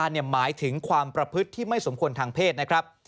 อาณาจารย์หมายถึงความประพฤตที่ไม่สมควรทางเพศนะครับ